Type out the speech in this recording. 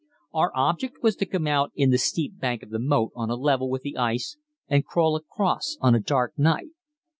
Our object was to come out in the steep bank of the moat on a level with the ice and crawl across on a dark night.